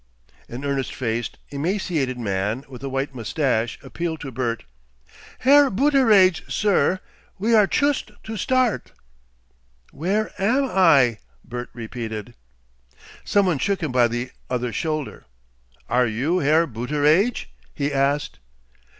An earnest faced, emaciated man with a white moustache appealed to Bert. "Herr Booteraidge, sir, we are chust to start!" "Where am I?" Bert repeated. Some one shook him by the other shoulder. "Are you Herr Booteraidge?" he asked.